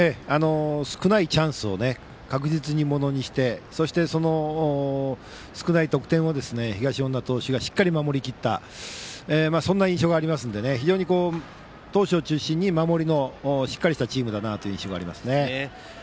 少ないチャンスを確実にものにしてそして、少ない得点を東恩納投手がしっかり守りきったそんな印象がありますので非常に投手を中心に、守りのしっかりしたチームだなという印象です。